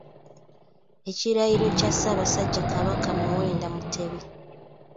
Ekirayiro kya Ssabasajja Kabaka Muwenda Mutebi